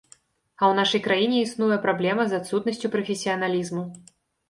А ў нашай краіне існуе праблема з адсутнасцю прафесіяналізму.